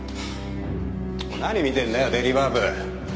何見てんだよデリバー部。